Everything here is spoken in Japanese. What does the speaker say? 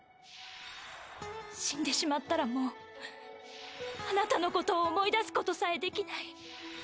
死んでしまったらもう、あなたのことを思い出すことさえできない。